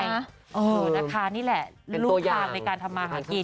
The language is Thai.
เออนะคะนี่แหละลูกทางในการทำมาหากิน